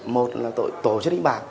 một là tội tổ chức đánh bạc